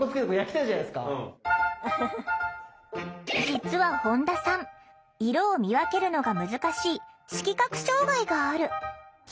実は本田さん色を見分けるのが難しい色覚障害がある。